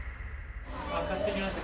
あっ買ってきました。